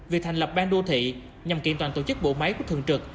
việc thành lập ban đô thị nhằm kiện toàn tổ chức bộ máy của thường trực